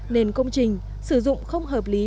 nền công trình sử dụng không hợp lý